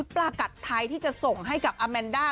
ปลากัดไทยที่จะส่งให้กับอาแมนด้า